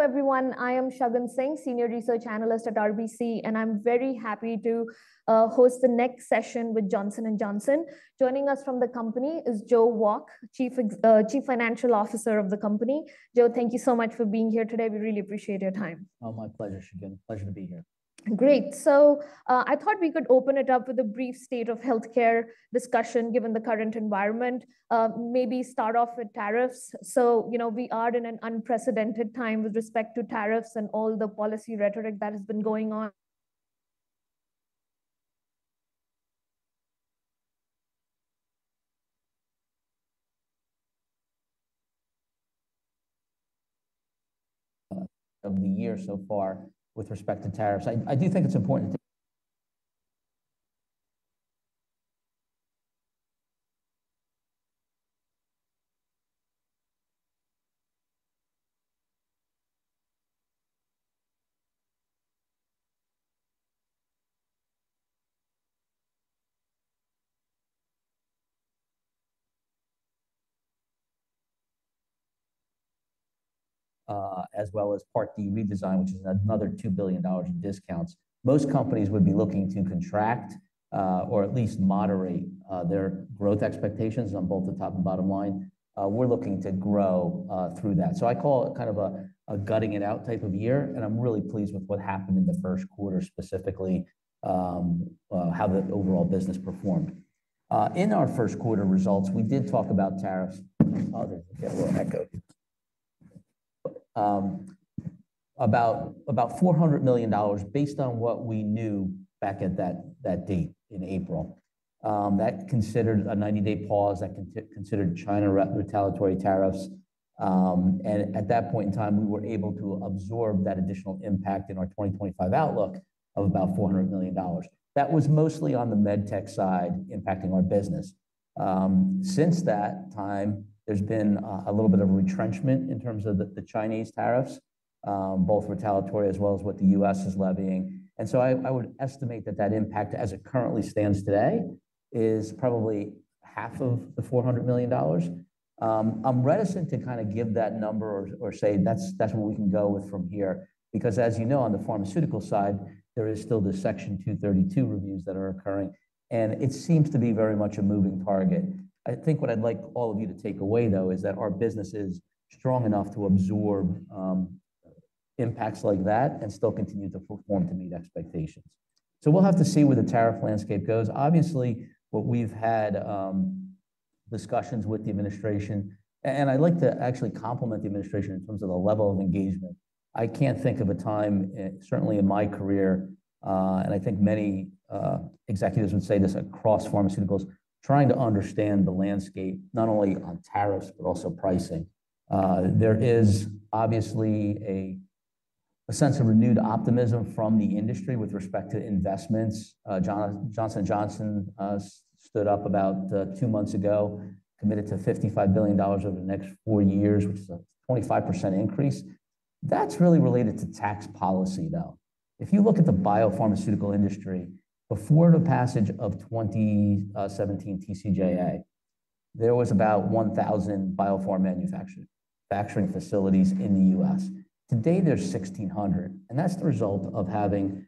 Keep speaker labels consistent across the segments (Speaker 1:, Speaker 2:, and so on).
Speaker 1: Hello, everyone. I am Shagan Singh, Senior Research Analyst at RBC, and I'm very happy to host the next session with Johnson & Johnson. Joining us from the company is Joe Wolk, Chief Financial Officer of the company. Joe, thank you so much for being here today. We really appreciate your time.
Speaker 2: Oh, my pleasure, Shagun. Pleasure to be here.
Speaker 1: Great. I thought we could open it up with a brief state-of-health care discussion, given the current environment. Maybe start off with tariffs. We are in an unprecedented time with respect to tariffs and all the policy rhetoric that has been going on.
Speaker 2: Of the year so far with respect to tariffs. I do think it's important to. As well as Part D redesign, which is another $2 billion in discounts. Most companies would be looking to contract or at least moderate their growth expectations on both the top and bottom line. We're looking to grow through that. I call it kind of a gutting it out type of year, and I'm really pleased with what happened in the first quarter, specifically how the overall business performed. In our first quarter results, we did talk about tariffs. About $400 million based on what we knew back at that date in April. That considered a 90-day pause. That considered China retaliatory tariffs. At that point in time, we were able to absorb that additional impact in our 2025 outlook of about $400 million. That was mostly on the medtech side impacting our business. Since that time, there has been a little bit of retrenchment in terms of the Chinese tariffs, both retaliatory as well as what the U.S. is levying. I would estimate that that impact, as it currently stands today, is probably half of the $400 million. I am reticent to kind of give that number or say that is where we can go from here, because, as you know, on the pharmaceutical side, there is still the Section 232 reviews that are occurring, and it seems to be very much a moving target. I think what I would like all of you to take away, though, is that our business is strong enough to absorb impacts like that and still continue to perform to meet expectations. We will have to see where the tariff landscape goes. Obviously, what we've had discussions with the administration, and I'd like to actually compliment the administration in terms of the level of engagement. I can't think of a time, certainly in my career, and I think many executives would say this across pharmaceuticals, trying to understand the landscape, not only on tariffs, but also pricing. There is obviously a sense of renewed optimism from the industry with respect to investments. Johnson & Johnson stood up about two months ago, committed to $55 billion over the next four years, which is a 25% increase. That's really related to tax policy, though. If you look at the biopharmaceutical industry, before the passage of 2017 TCJA, there was about 1,000 biopharma manufacturing factory facilities in the U.S. Today, there's 1,600, and that's the result of having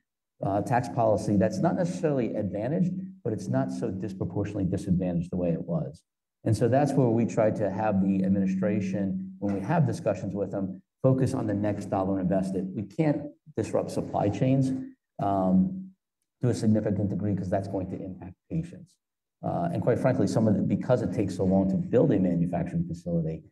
Speaker 2: tax policy that's not necessarily advantaged, but it's not so disproportionately disadvantaged the way it was. That is where we try to have the administration, when we have discussions with them, focus on the next dollar invested. We cannot disrupt supply chains to a significant degree because that is going to impact patients. Quite frankly, because it takes so long to build a manufacturing facility,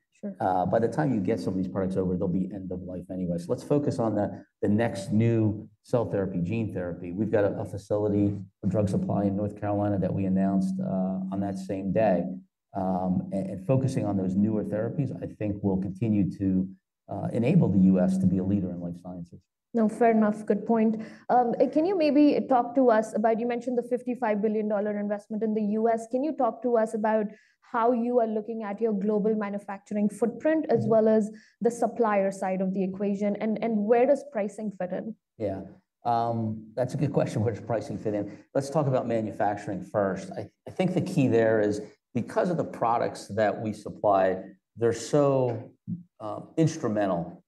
Speaker 2: by the time you get some of these products over, they will be end of life anyway. Let us focus on the next new cell therapy, gene therapy. We have a facility for drug supply in North Carolina that we announced on that same day. Focusing on those newer therapies, I think, will continue to enable the U.S. to be a leader in life sciences.
Speaker 1: No, fair enough. Good point. Can you maybe talk to us about, you mentioned the $55 billion investment in the U.S. Can you talk to us about how you are looking at your global manufacturing footprint as well as the supplier side of the equation, and where does pricing fit in?
Speaker 2: Yeah. That's a good question. Where does pricing fit in? Let's talk about manufacturing first. I think the key there is because of the products that we supply, they're so instrumental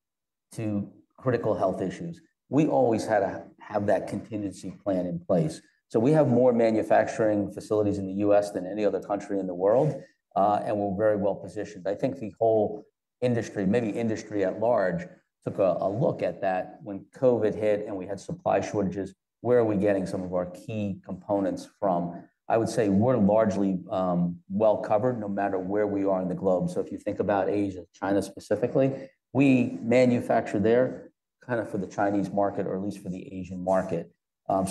Speaker 2: to critical health issues. We always had to have that contingency plan in place. We have more manufacturing facilities in the U.S. than any other country in the world, and we're very well positioned. I think the whole industry, maybe industry at large, took a look at that when COVID hit and we had supply shortages. Where are we getting some of our key components from? I would say we're largely well covered no matter where we are in the globe. If you think about Asia, China specifically, we manufacture there kind of for the Chinese market or at least for the Asian market.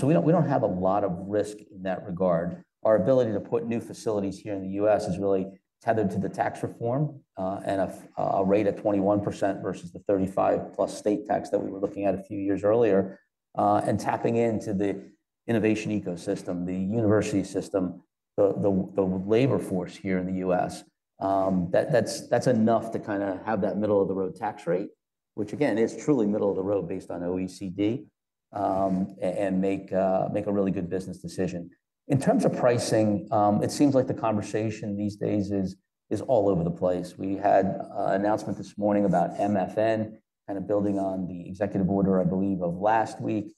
Speaker 2: We do not have a lot of risk in that regard. Our ability to put new facilities here in the U.S. is really tethered to the tax reform and a rate of 21% versus the 35-plus state tax that we were looking at a few years earlier, and tapping into the innovation ecosystem, the university system, the labor force here in the U.S., that's enough to kind of have that middle-of-the-road tax rate, which, again, is truly middle-of-the-road based on OECD, and make a really good business decision. In terms of pricing, it seems like the conversation these days is all over the place. We had an announcement this morning about MFN kind of building on the executive order, I believe, of last week.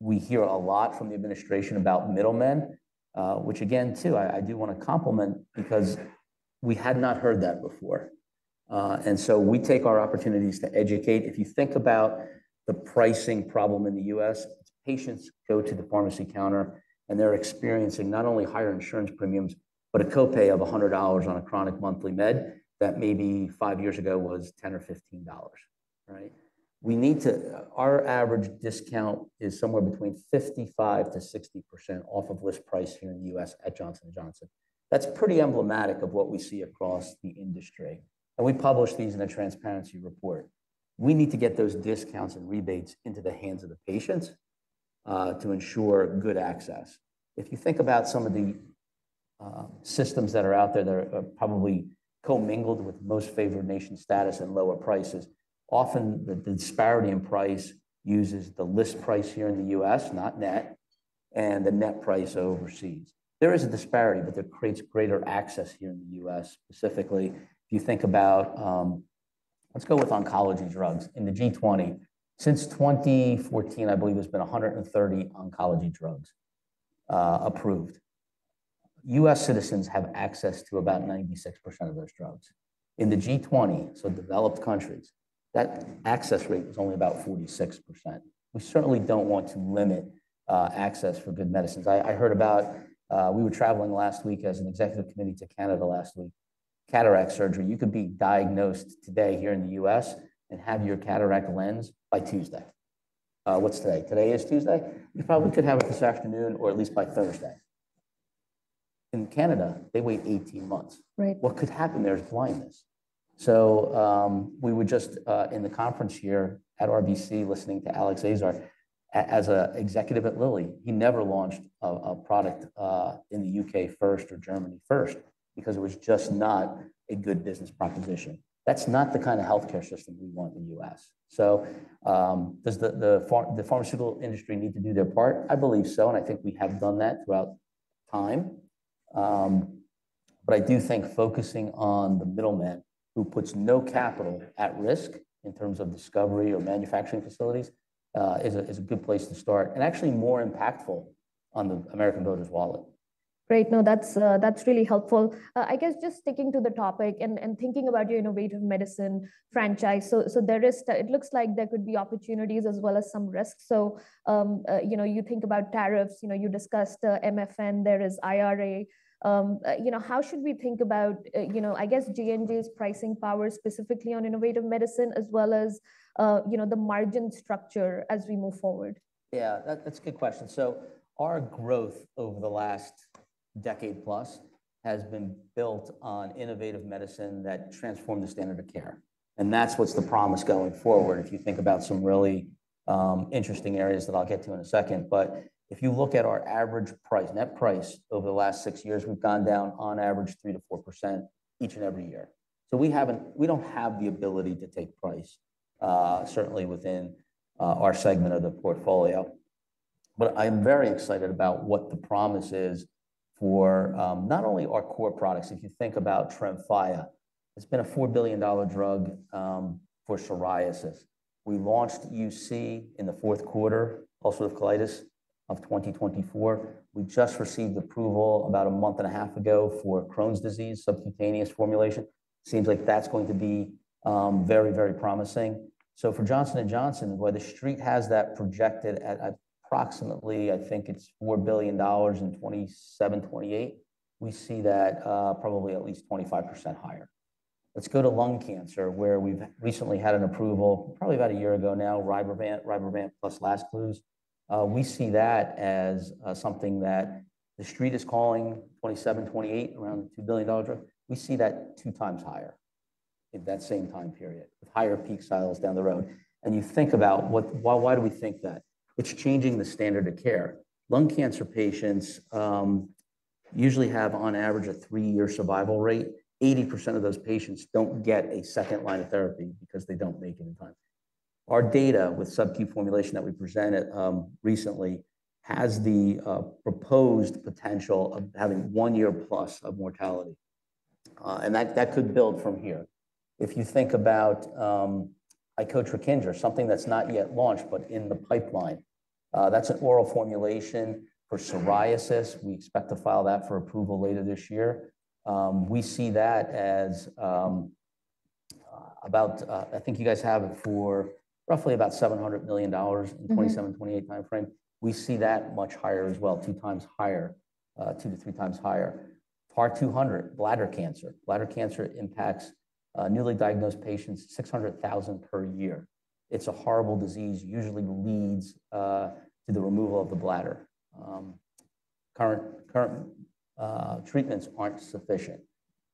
Speaker 2: We hear a lot from the administration about middlemen, which, again, too, I do want to compliment because we had not heard that before. We take our opportunities to educate. If you think about the pricing problem in the U.S., patients go to the pharmacy counter, and they're experiencing not only higher insurance premiums, but a copay of $100 on a chronic monthly med that maybe five years ago was $10 or $15. Right? Our average discount is somewhere between 55%-60% off of list price here in the U.S. at Johnson & Johnson. That's pretty emblematic of what we see across the industry. We publish these in a transparency report. We need to get those discounts and rebates into the hands of the patients to ensure good access. If you think about some of the systems that are out there that are probably co-mingled with most favored nation status and lower prices, often the disparity in price uses the list price here in the U.S., not net, and the net price overseas. There is a disparity, but it creates greater access here in the U.S., specifically. If you think about, let's go with oncology drugs in the G20. Since 2014, I believe there's been 130 oncology drugs approved. U.S. citizens have access to about 96% of those drugs. In the G20, so developed countries, that access rate was only about 46%. We certainly don't want to limit access for good medicines. I heard about, we were traveling last week as an Executive Committee to Canada last week, cataract surgery. You could be diagnosed today here in the U.S. and have your cataract lens by Tuesday. What's today? Today is Tuesday. You probably could have it this afternoon or at least by Thursday. In Canada, they wait 18 months. What could happen there is blindness. We were just in the conference here at RBC listening to Alex Azar. As an executive at Lilly, he never launched a product in the U.K. first or Germany first because it was just not a good business proposition. That's not the kind of healthcare system we want in the U.S. Does the pharmaceutical industry need to do their part? I believe so, and I think we have done that throughout time. I do think focusing on the middleman who puts no capital at risk in terms of discovery or manufacturing facilities is a good place to start and actually more impactful on the American voter's wallet.
Speaker 1: Great. No, that's really helpful. I guess just sticking to the topic and thinking about your innovative medicine franchise. It looks like there could be opportunities as well as some risks. You think about tariffs. You discussed MFN. There is IRA. How should we think about, I guess, J&J's pricing power specifically on innovative medicine as well as the margin structure as we move forward?
Speaker 2: Yeah, that's a good question. Our growth over the last decade plus has been built on innovative medicine that transformed the standard of care. That's what's the promise going forward if you think about some really interesting areas that I'll get to in a second. If you look at our average price, net price over the last six years, we've gone down on average 3%-4% each and every year. We don't have the ability to take price, certainly within our segment of the portfolio. I'm very excited about what the promise is for not only our core products. If you think about Tremfya, it's been a $4 billion drug for psoriasis. We launched UC in the fourth quarter, ulcerative colitis of 2024. We just received approval about a month and a half ago for Crohn's disease, subcutaneous formulation. Seems like that's going to be very, very promising. For Johnson & Johnson, where the street has that projected at approximately, I think it's $4 billion in 2027, 2028, we see that probably at least 25% higher. Let's go to lung cancer, where we've recently had an approval probably about a year ago now, Rybrevant plus Lazcluze. We see that as something that the street is calling 2027, 2028, around a $2 billion drug. We see that two times higher in that same time period with higher peak sales down the road. You think about why do we think that? It's changing the standard of care. Lung cancer patients usually have on average a three-year survival rate. 80% of those patients don't get a second line of therapy because they don't make it in time. Our data with subQ formulation that we presented recently has the proposed potential of having one year plus of mortality. That could build from here. If you think about Icotrakins, or something that's not yet launched, but in the pipeline, that's an oral formulation for psoriasis. We expect to file that for approval later this year. We see that as about, I think you guys have it for roughly about $700 million in the 2027, 2028 timeframe. We see that much higher as well, two times higher, two to three times higher. PAR 200, bladder cancer. Bladder cancer impacts newly diagnosed patients, 600,000 per year. It's a horrible disease. Usually leads to the removal of the bladder. Current treatments aren't sufficient.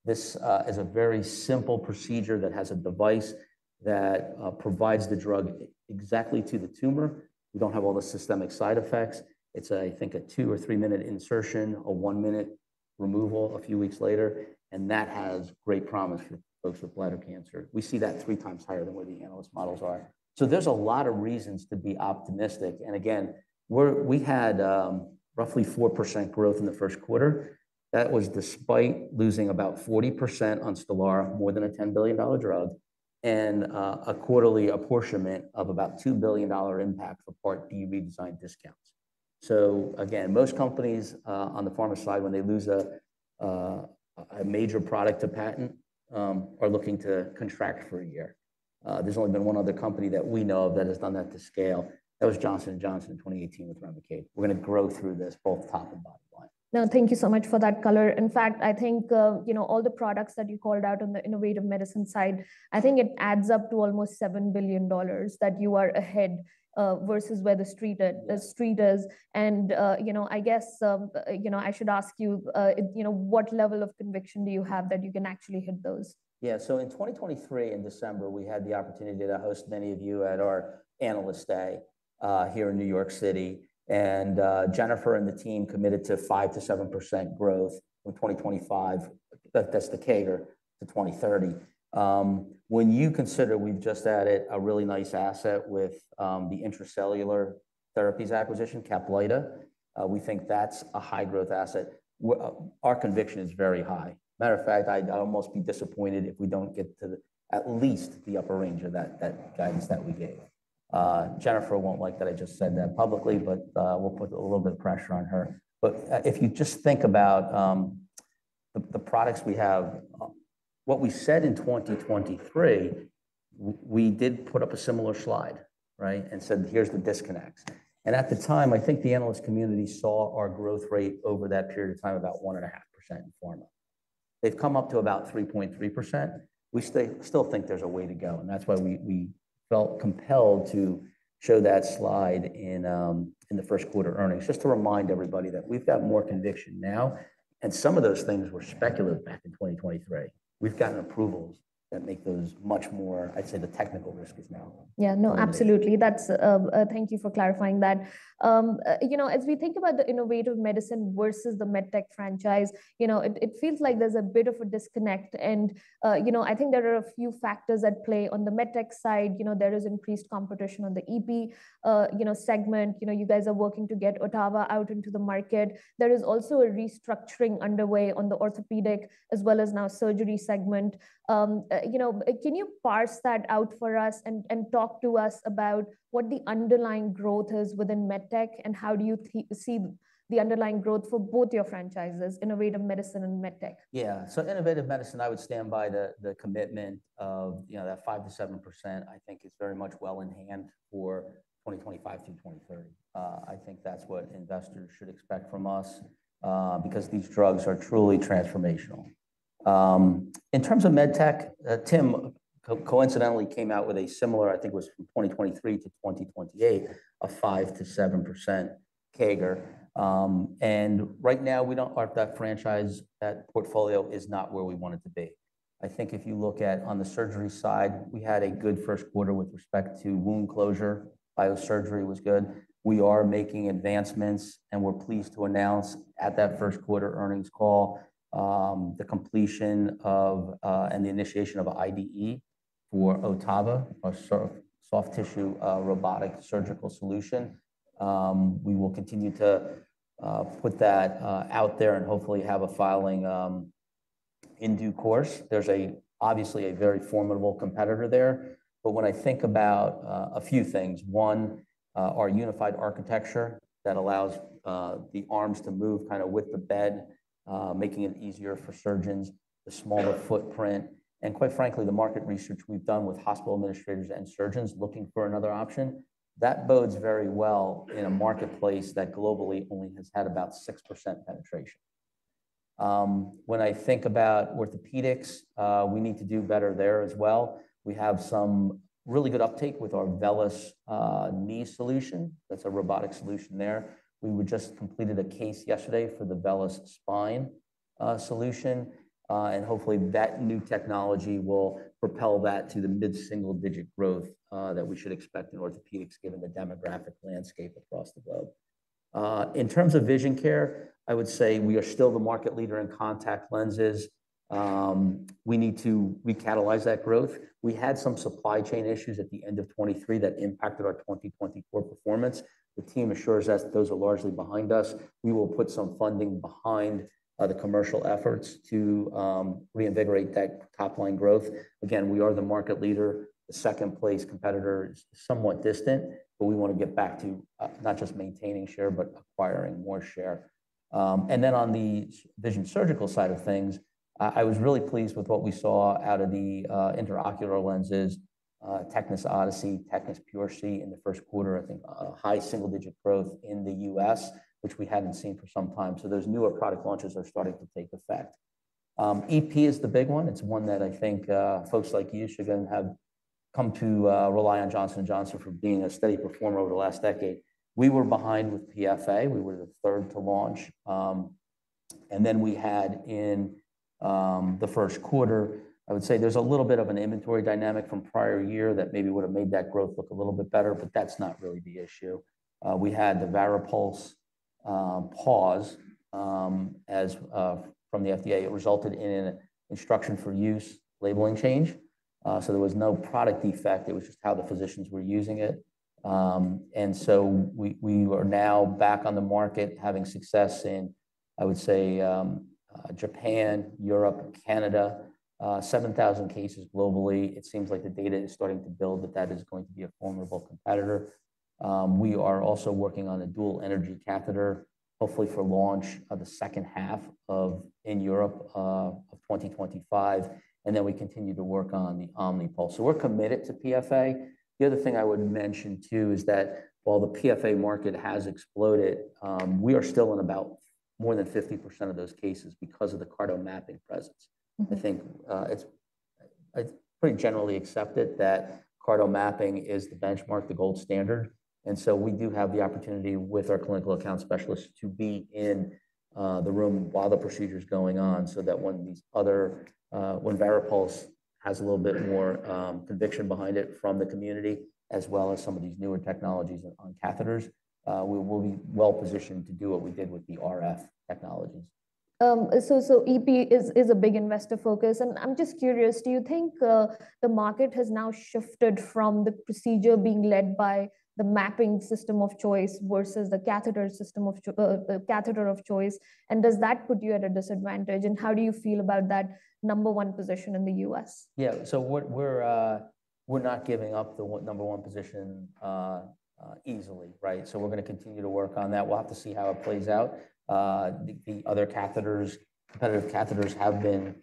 Speaker 2: This is a very simple procedure that has a device that provides the drug exactly to the tumor. We don't have all the systemic side effects. It's, I think, a two or three-minute insertion, a one-minute removal a few weeks later. That has great promise for folks with bladder cancer. We see that three times higher than where the analyst models are. There is a lot of reasons to be optimistic. Again, we had roughly 4% growth in the first quarter. That was despite losing about 40% on Stelara, more than a $10 billion drug, and a quarterly apportionment of about $2 billion impact for Part D redesign discounts. Most companies on the pharma side, when they lose a major product to patent, are looking to contract for a year. There has only been one other company that we know of that has done that to scale. That was Johnson & Johnson in 2018 with Remicade. We are going to grow through this, both top and bottom line.
Speaker 1: No, thank you so much for that color. In fact, I think all the products that you called out on the innovative medicine side, I think it adds up to almost $7 billion that you are ahead versus where the street is. I guess I should ask you, what level of conviction do you have that you can actually hit those?
Speaker 2: Yeah. In 2023, in December, we had the opportunity to host many of you at our analyst day here in New York City. Jennifer and the team committed to 5%-7% growth in 2025. That's the CAGR to 2030. When you consider we've just added a really nice asset with the Intra-Cellular Therapies acquisition, Caplyta, we think that's a high-growth asset. Our conviction is very high. Matter of fact, I'd almost be disappointed if we don't get to at least the upper range of that guidance that we gave. Jennifer won't like that I just said that publicly, but we'll put a little bit of pressure on her. If you just think about the products we have, what we said in 2023, we did put up a similar slide, right, and said, "Here's the disconnects." At the time, I think the analyst community saw our growth rate over that period of time about 1.5% in pharma. They've come up to about 3.3%. We still think there's a way to go. That is why we felt compelled to show that slide in the first quarter earnings, just to remind everybody that we've got more conviction now. Some of those things were speculative back in 2023. We've gotten approvals that make those much more, I'd say the technical risk is now.
Speaker 1: Yeah. No, absolutely. Thank you for clarifying that. As we think about the innovative medicine versus the medtech franchise, it feels like there's a bit of a disconnect. I think there are a few factors at play. On the medtech side, there is increased competition on the EP segment. You guys are working to get Otava out into the market. There is also a restructuring underway on the orthopedic as well as now surgery segment. Can you parse that out for us and talk to us about what the underlying growth is within medtech and how do you see the underlying growth for both your franchises, innovative medicine and medtech?
Speaker 2: Yeah. Innovative medicine, I would stand by the commitment of that 5%-7%. I think it is very much well in hand for 2025-2030. I think that is what investors should expect from us because these drugs are truly transformational. In terms of medtech, Tim coincidentally came out with a similar, I think it was from 2023-2028, a 5%-7% CAGR. Right now, our franchise, that portfolio is not where we want it to be. I think if you look at on the surgery side, we had a good first quarter with respect to wound closure. Biosurgery was good. We are making advancements, and we are pleased to announce at that first quarter earnings call the completion and the initiation of IDE for Otava, a soft tissue robotic surgical solution. We will continue to put that out there and hopefully have a filing in due course. There is obviously a very formidable competitor there. When I think about a few things, one, our unified architecture that allows the arms to move kind of with the bed, making it easier for surgeons, the smaller footprint. Quite frankly, the market research we have done with hospital administrators and surgeons looking for another option, that bodes very well in a marketplace that globally only has had about 6% penetration. When I think about orthopedics, we need to do better there as well. We have some really good uptake with our VELYS knee solution. That is a robotic solution there. We just completed a case yesterday for the VELYS spine solution. Hopefully, that new technology will propel that to the mid-single-digit growth that we should expect in orthopedics given the demographic landscape across the globe. In terms of vision care, I would say we are still the market leader in contact lenses. We need to recatalyze that growth. We had some supply chain issues at the end of 2023 that impacted our 2024 performance. The team assures us those are largely behind us. We will put some funding behind the commercial efforts to reinvigorate that top-line growth. Again, we are the market leader. The second-place competitor is somewhat distant, but we want to get back to not just maintaining share, but acquiring more share. On the vision surgical side of things, I was really pleased with what we saw out of the intraocular lenses, Tecnis Odyssey, Tecnis PureC in the first quarter. I think high single-digit growth in the U.S., which we have not seen for some time. Those newer product launches are starting to take effect. EP is the big one. It is one that I think folks like you should have come to rely on Johnson & Johnson for being a steady performer over the last decade. We were behind with PFA. We were the third to launch. In the first quarter, I would say there is a little bit of an inventory dynamic from prior year that maybe would have made that growth look a little bit better, but that is not really the issue. We had the Varipulse pause from the FDA. It resulted in an instruction for use labeling change. There was no product defect. It was just how the physicians were using it. We are now back on the market, having success in, I would say, Japan, Europe, Canada, 7,000 cases globally. It seems like the data is starting to build that that is going to be a formidable competitor. We are also working on a dual energy catheter, hopefully for launch in the second half in Europe of 2025. We continue to work on the OmniPulse. We are committed to PFA. The other thing I would mention too is that while the PFA market has exploded, we are still in about more than 50% of those cases because of the cardio mapping presence. I think it is pretty generally accepted that cardio mapping is the benchmark, the gold standard. We do have the opportunity with our clinical account specialists to be in the room while the procedure is going on so that when these other, when Varipulse has a little bit more conviction behind it from the community, as well as some of these newer technologies on catheters, we will be well positioned to do what we did with the RF technologies.
Speaker 1: EP is a big investor focus. I'm just curious, do you think the market has now shifted from the procedure being led by the mapping system of choice versus the catheter system of choice? Does that put you at a disadvantage? How do you feel about that number one position in the U.S.?
Speaker 2: Yeah. We're not giving up the number one position easily, right? We're going to continue to work on that. We'll have to see how it plays out. The other competitive catheters have been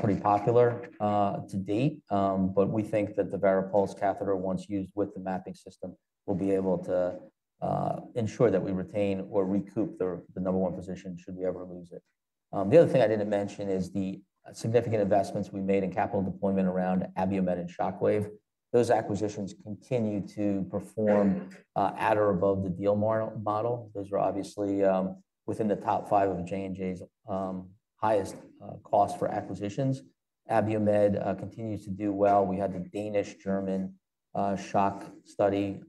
Speaker 2: pretty popular to date. We think that the Varipulse catheter, once used with the mapping system, will be able to ensure that we retain or recoup the number one position should we ever lose it. The other thing I didn't mention is the significant investments we made in capital deployment around Abiomed and Shockwave. Those acquisitions continue to perform at or above the deal model. Those are obviously within the top five of J&J's highest cost for acquisitions. Abiomed continues to do well. We had the Danish-German shock study,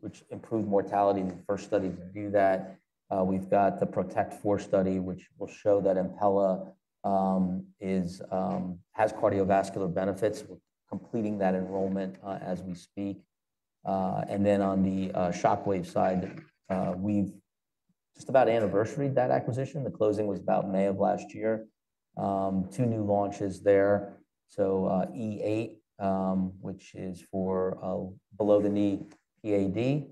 Speaker 2: which improved mortality in the first study to do that. We've got the Protect4 study, which will show that Impella has cardiovascular benefits. We're completing that enrollment as we speak. On the Shockwave side, we've just about anniversary that acquisition. The closing was about May of last year. Two new launches there. E8, which is for below the knee PAD,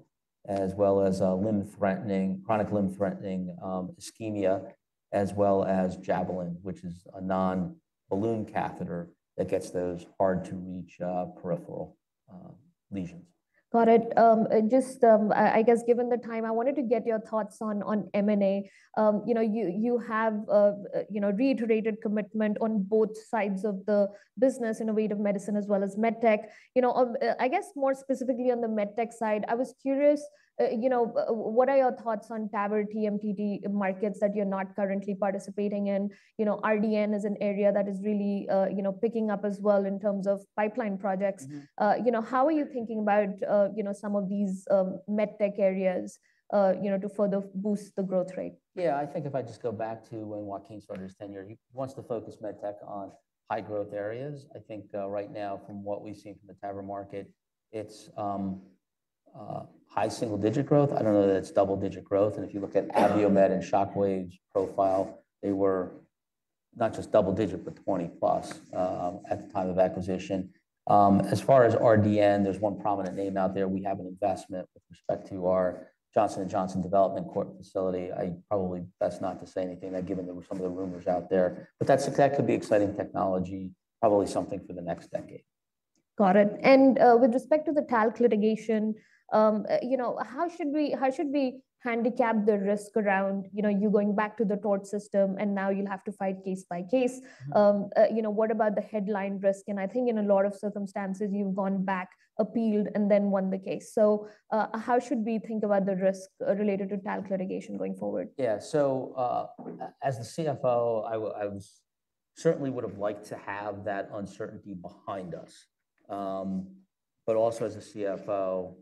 Speaker 2: as well as chronic limb threatening ischemia, as well as Javelin, which is a non-balloon catheter that gets those hard-to-reach peripheral lesions.
Speaker 1: Got it. Just, I guess, given the time, I wanted to get your thoughts on M&A. You have reiterated commitment on both sides of the business, innovative medicine as well as medtech. I guess more specifically on the medtech side, I was curious, what are your thoughts on TAVR, TMTD markets that you're not currently participating in? RDN is an area that is really picking up as well in terms of pipeline projects. How are you thinking about some of these medtech areas to further boost the growth rate?
Speaker 2: Yeah. I think if I just go back to when Joaquin started his tenure, he wants to focus medtech on high-growth areas. I think right now, from what we've seen from the TAVR market, it's high single-digit growth. I don't know that it's double-digit growth. If you look at Abiomed and Shockwave's profile, they were not just double-digit, but 20-plus at the time of acquisition. As far as RDN, there's one prominent name out there. We have an investment with respect to our Johnson & Johnson Development facility. I probably best not to say anything that given there were some of the rumors out there. That could be exciting technology, probably something for the next decade.
Speaker 1: Got it. With respect to the Talc litigation, how should we handicap the risk around you going back to the tort system and now you'll have to fight case by case? What about the headline risk? I think in a lot of circumstances, you've gone back, appealed, and then won the case. How should we think about the risk related to Talc litigation going forward?
Speaker 2: Yeah. As the CFO, I certainly would have liked to have that uncertainty behind us. Also, as a CFO,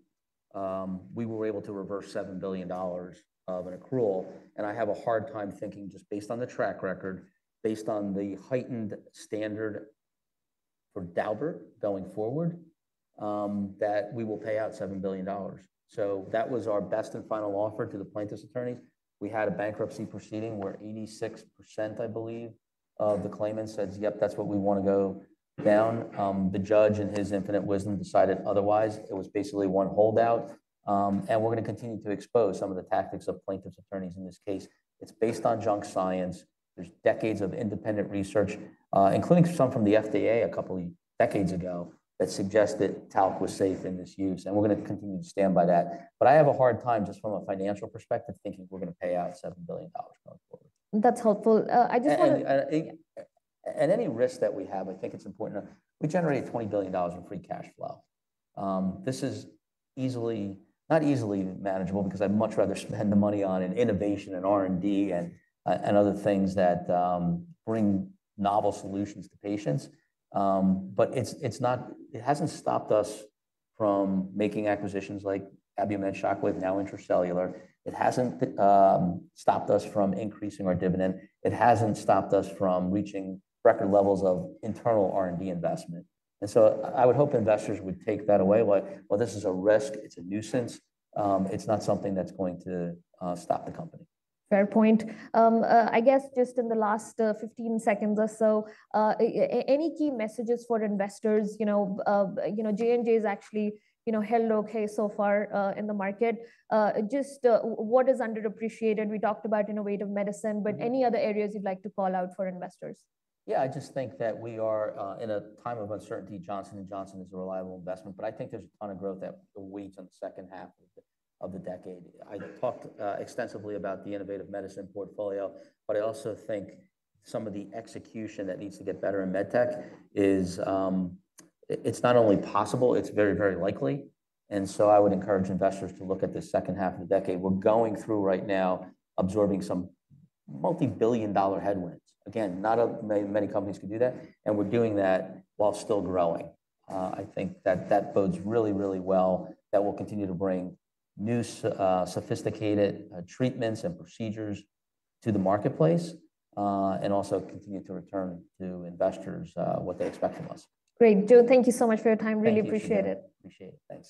Speaker 2: we were able to reverse $7 billion of an accrual. I have a hard time thinking, just based on the track record, based on the heightened standard for Daubert going forward, that we will pay out $7 billion. That was our best and final offer to the plaintiff's attorneys. We had a bankruptcy proceeding where 86% of the claimants said, "Yep, that's what we want to go down." The judge, in his infinite wisdom, decided otherwise. It was basically one holdout. We're going to continue to expose some of the tactics of plaintiff's attorneys in this case. It's based on junk science. are decades of independent research, including some from the FDA a couple of decades ago, that suggests that talc was safe in this use. We are going to continue to stand by that. I have a hard time just from a financial perspective thinking we are going to pay out $7 billion going forward.
Speaker 1: That's helpful. I just want to.
Speaker 2: Any risk that we have, I think it's important to know we generated $20 billion in free cash flow. This is not easily manageable because I'd much rather spend the money on innovation and R&D and other things that bring novel solutions to patients. It hasn't stopped us from making acquisitions like Abiomed and Shockwave, now Intra-Cellular. It hasn't stopped us from increasing our dividend. It hasn't stopped us from reaching record levels of internal R&D investment. I would hope investors would take that away. This is a risk. It's a nuisance. It's not something that's going to stop the company.
Speaker 1: Fair point. I guess just in the last 15 seconds or so, any key messages for investors? J&J has actually held okay so far in the market. Just what is underappreciated? We talked about innovative medicine, but any other areas you'd like to call out for investors?
Speaker 2: Yeah. I just think that we are in a time of uncertainty. Johnson & Johnson is a reliable investment. I think there's a ton of growth that awaits in the second half of the decade. I talked extensively about the innovative medicine portfolio, but I also think some of the execution that needs to get better in medtech is it's not only possible, it's very, very likely. I would encourage investors to look at the second half of the decade. We're going through right now absorbing some multi-billion dollar headwinds. Again, not many companies can do that. We're doing that while still growing. I think that bodes really, really well that we'll continue to bring new sophisticated treatments and procedures to the marketplace and also continue to return to investors what they expect from us.
Speaker 1: Great. Joe, thank you so much for your time. Really appreciate it.
Speaker 2: Appreciate it.